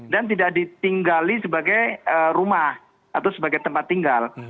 dan tidak ditinggali sebagai rumah atau sebagai tempat tinggal